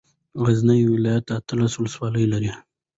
غزني ولايت اتلس ولسوالۍ لري.